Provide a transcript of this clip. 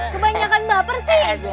kebanyakan baper sih